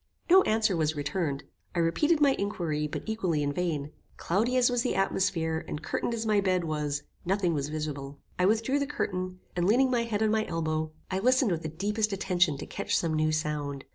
No answer was returned. I repeated my inquiry, but equally in vain. Cloudy as was the atmosphere, and curtained as my bed was, nothing was visible. I withdrew the curtain, and leaning my head on my elbow, I listened with the deepest attention to catch some new sound.